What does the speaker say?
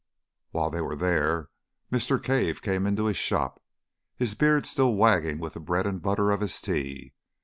While they were there, Mr. Cave came into his shop, his beard still wagging with the bread and butter of his tea.